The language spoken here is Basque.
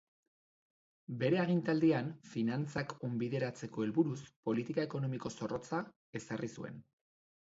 Bere agintaldian, finantzak onbideratzeko helburuz, politika ekonomiko zorrotza ezarri zuen.